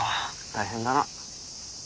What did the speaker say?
大変だな。